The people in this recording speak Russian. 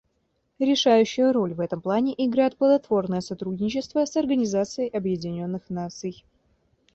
Решающую роль в этом плане играет плодотворное сотрудничество с Организацией Объединенных Наций.